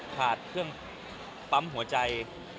ขาดเครื่องปั๊มหัวใจ